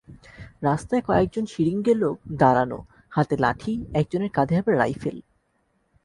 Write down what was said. রাস্তায় কয়েকজন সিড়িঙ্গে লোক দাঁড়ানো, হাতে লাঠি, একজনের কাঁধে আবার রাইফেল।